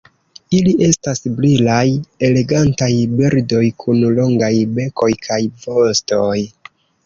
Ili estas brilaj elegantaj birdoj kun longaj bekoj kaj vostoj.